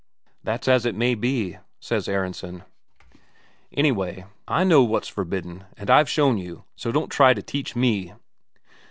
"That's as it may be," says Aronsen. "Anyway, I know what's forbidden, and I've shown you, so don't try to teach me."